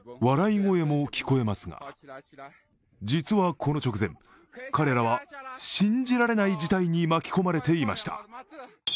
笑い声も聞こえますが、実はこの直前、彼らは信じられない事態に巻き込まれていました。